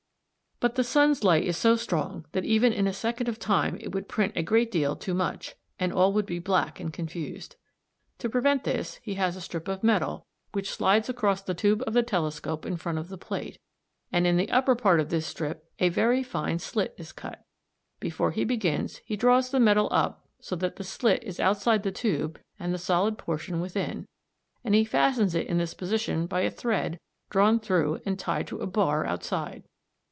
But the sun's light is so strong that even in a second of time it would print a great deal too much, and all would be black and confused. To prevent this he has a strip of metal which slides across the tube of the telescope in front of the plate, and in the upper part of this strip a very fine slit is cut. Before he begins, he draws the metal up so that the slit is outside the tube and the solid portion within, and he fastens it in this position by a thread drawn through and tied to a bar outside.